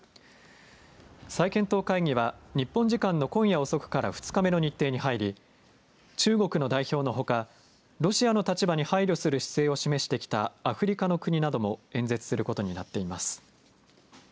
再検討会議は日本時間の今夜遅くから２日目の日程に入り中国の代表のほかロシアの立場に配慮する姿勢を示してきたアフリカの国なども演説することになっています。